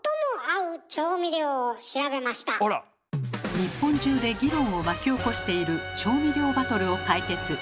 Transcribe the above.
日本中で議論を巻き起こしている調味料バトルを解決！